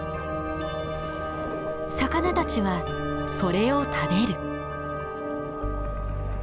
魚たちはそれを食べる。